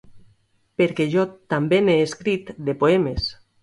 Perquè jo també n'he escrit, de poemes.